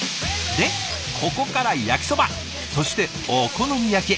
でここから焼きそばそしてお好み焼き。